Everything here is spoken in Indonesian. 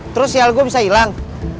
terus sial gue bisa ilang